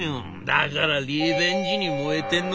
だからリベンジに燃えてんの。